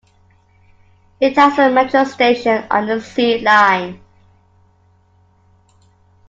It has a Metro station, on the C line.